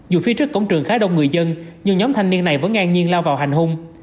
dù phía trước cổng trường khá đông người dân nhưng nhóm thanh niên này vẫn ngang nhiên lao vào hành hung